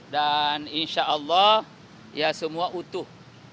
dan insya allah ya semua utuh